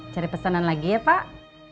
cari pesanan lagi ya pak